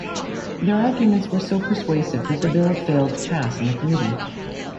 Their arguments were so persuasive that the bill failed to pass in the committee.